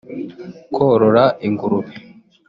korora ingurube